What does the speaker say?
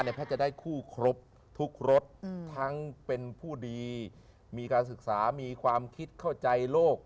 แพทย์จะได้คู่ครบทุกรถทั้งเป็นผู้ดีมีการศึกษามีความคิดเข้าใจโลก